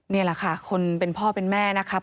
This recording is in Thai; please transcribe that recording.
นี่แหละค่ะคนเป็นพ่อเป็นแม่นะครับ